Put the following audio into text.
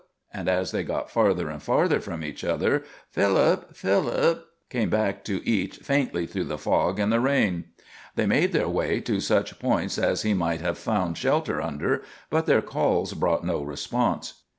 and as they got farther and farther from each other, "Philip! Philip!" came back to each faintly through the fog and the rain. They made their way to such points as he might have found shelter under, but their calls brought no response.